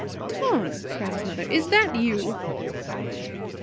"Tom!" cried his mother, "is that you?"